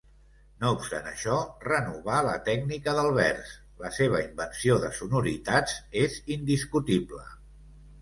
No obstant això, renovà la tècnica del vers, la seva invenció de sonoritats és indiscutible.